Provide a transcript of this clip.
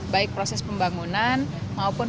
baik proses pembangunan